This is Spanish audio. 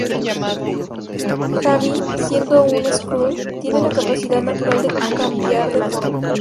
Xavin, siendo un skrull, tiene la capacidad natural de cambiar de forma.